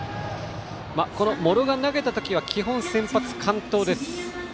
茂呂が投げた時は基本、先発完投です。